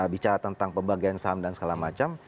bicara tentang pembagian saham dan segala macam